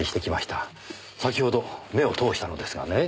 先ほど目を通したのですがね